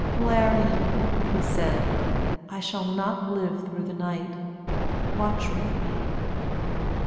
"Valerian!" he said, "I shall not live through the night. Watch with me."